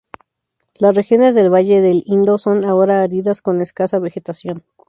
Las regiones del valle del Indo son ahora áridas con escasa vegetación.